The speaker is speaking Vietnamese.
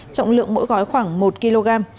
trọng lượng mỗi gói khoảng một kg